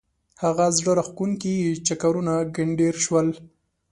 هغه زړه راکښونکي چکرونه ګنډېر شول.